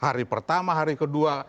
hari pertama hari kedua